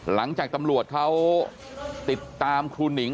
หลังจากตำรวจเขาติดตามครูหนิง